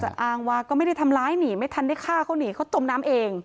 อ้างว่าก็ไม่ได้ทำร้ายหนีไม่ทันได้ฆ่าเขาหนีเขาจมน้ำเอง